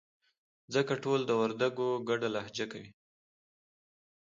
ځکه ټول د وردگو گډه لهجه کوي.